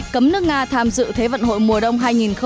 cấm nước nga tham dự thế vận hội mùa đông hai nghìn một mươi bảy